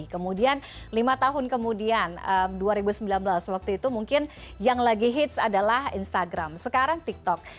kemudian lima tahun kemudian dua ribu sembilan belas waktu itu mungkin yang lagi hits adalah instagram sekarang tiktok